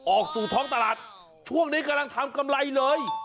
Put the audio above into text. ออกสู่ท้องตลาดช่วงนี้กำลังทำกำไรเลย